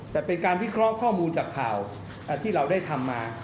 แต่เป็นการวิเคราะห์ข้อมูลจากข่าวที่เราได้ทำมา